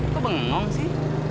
kok bengong sih